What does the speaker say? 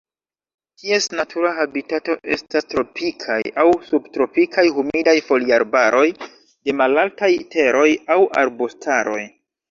Ties natura habitato estas tropikaj kaj subtropikaj humidaj foliarbaroj de malaltaj teroj aŭ arbustaroj.